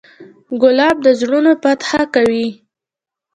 ګلاب د زړونو فتحه کوي.